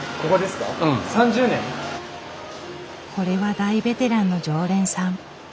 これは大ベテランの常連さん。